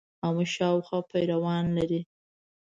آمو شاوخوا پیروان لري.